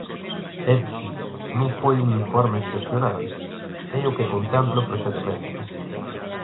É dicir, non foi un informe excepcional, é o que contempla o procedemento.